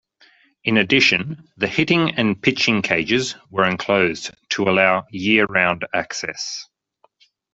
In addition, the hitting and pitching cages were enclosed to allow year-round access.